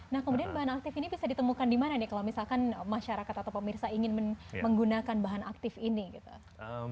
nah kemudian bahan aktif ini bisa ditemukan di mana nih kalau misalkan masyarakat atau pemirsa ingin menggunakan bahan aktif ini gitu